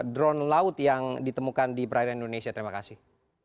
drone laut yang ditemukan di perairan indonesia terima kasih